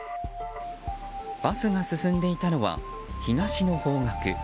バスが進んでいたのは東の方角。